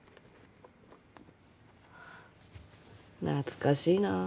懐かしいな。